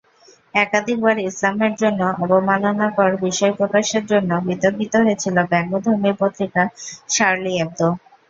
একাধিকবার ইসলামের জন্য অবমাননাকর বিষয় প্রকাশের জন্য বিতর্কিত হয়েছিল ব্যঙ্গধর্মী পত্রিকা শার্লি এবদো।